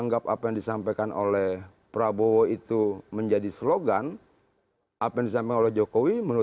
nanti kita akan soal ini